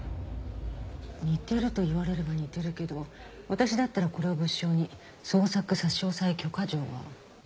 似てると言われれば似てるけど私だったらこれを物証に捜索差押許可状は。